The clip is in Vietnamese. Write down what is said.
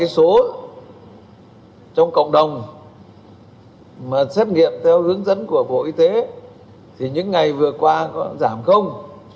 số trong cộng đồng mà xét nghiệm theo hướng dẫn của bộ y tế thì những ngày vừa qua có giảm không